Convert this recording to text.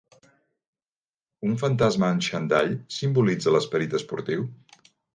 Un fantasma en xandall simbolitza l'esperit esportiu?